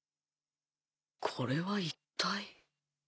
これは一体！？